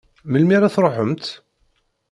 Melmi ara tṛuḥemt?